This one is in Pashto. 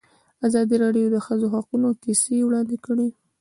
ازادي راډیو د د ښځو حقونه کیسې وړاندې کړي.